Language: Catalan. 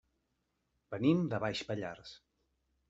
Venim de Baix Pallars.